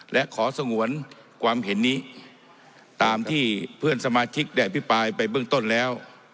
และขอสงวนความเห็นนี้ตามที่เพื่อนสมาชิกได้อภิปรายไปเบื้องต้นแล้ว